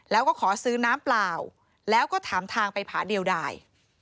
แล้วก็ขอซื้อน้ำเปล่าแล้วก็ถามทางไปผาเดียวได้